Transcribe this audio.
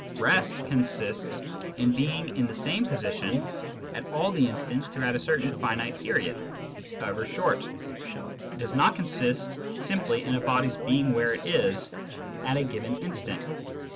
Rest consists in being in the same position at all the instants throughout a certain finite period, however short ; it does not consist simply in a body's being where it is at a given instant.